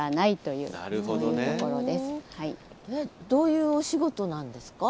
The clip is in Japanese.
どういうお仕事なんですか？